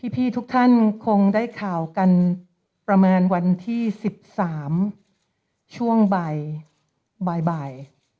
ทุกท่านคงได้ข่าวกันประมาณวันที่๑๓ช่วงบ่าย